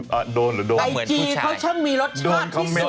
มาเลยกลับมาเลย